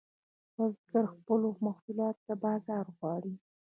بزګران خپلو محصولاتو ته بازار غواړي